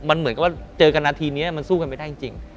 มันเหมือนกับว่าเจอกันนาทีนี้มันสู้กันไม่ได้จริง